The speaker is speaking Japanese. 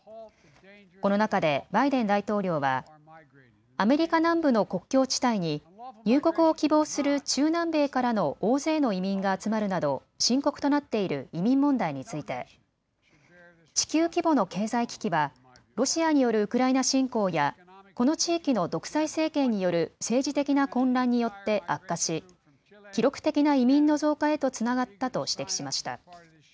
この中でバイデン大統領は、アメリカ南部の国境地帯に入国を希望する中南米からの大勢の移民が集まるなど深刻となっている移民問題について、地球規模の経済危機はロシアによるウクライナ侵攻やこの地域の独裁政権による政治的な混乱によって悪化し記録的な移民の増加へとつながったと指摘しました。